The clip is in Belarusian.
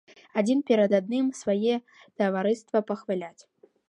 Адзін перад адным свае таварыства пахваляць.